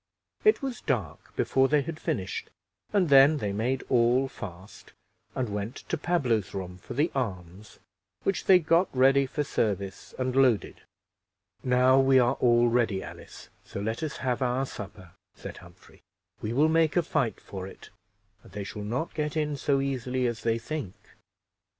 It was dark before they had finished, and then they made all fast, and went to Pablo's room for the arms, which they got ready for service, and loaded. "Now we are all ready, Alice, so let us have our supper," said Humphrey. "We will make a fight for it, and they shall not get in so easily as they think."